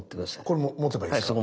これ持てばいいですか？